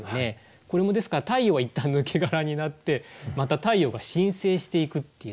これもですから太陽はいったん抜け殻になってまた太陽が新生していくっていうのかな。